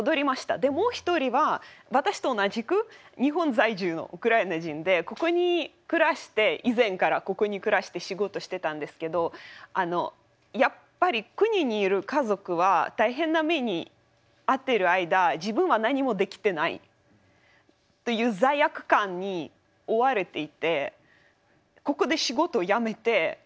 もう一人は私と同じく日本在住のウクライナ人で以前からここに暮らして仕事してたんですけどあのやっぱり国にいる家族は大変な目に遭っている間自分は何もできてないという罪悪感に覆われていてここで仕事辞めて帰りましたウクライナに。